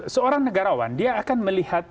seorang negarawan dia akan melihat